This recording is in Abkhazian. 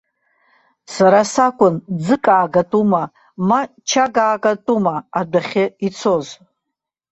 Сара сакәын ӡык аагатәума, ма чак аагатәума адәахьы ицоз.